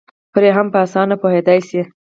پرې هم په اسانه پوهېدی شي